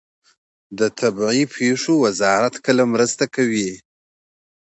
د طبیعي پیښو وزارت کله مرسته کوي؟